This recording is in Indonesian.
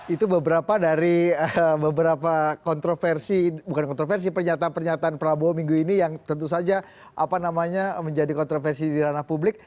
itu beberapa dari beberapa kontroversi bukan kontroversi pernyataan pernyataan prabowo minggu ini yang tentu saja menjadi kontroversi di ranah publik